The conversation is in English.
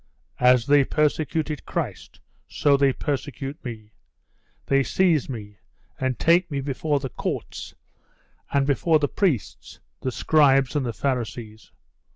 "As they persecuted Christ, so they persecute me. They seize me, and take me before the courts and before the priests, the Scribes and the Pharisees.